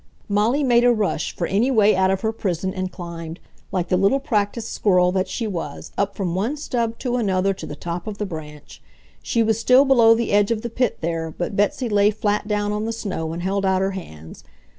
Molly made a rush for any way out of her prison, and climbed, like the little practiced squirrel that she was, up from one stub to another to the top of the branch. She was still below the edge of the pit there, but Betsy lay flat down on the snow and held out her hands.